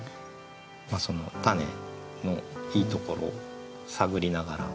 そのたねのいいところを探りながら。